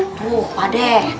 tuh pak adek